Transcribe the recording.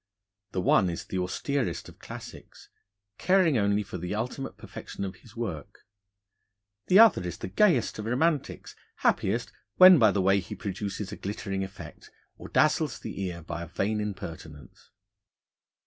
The one is the austerest of Classics, caring only for the ultimate perfection of his work. The other is the gayest of Romantics, happiest when by the way he produces a glittering effect, or dazzles the ear by a vain impertinence.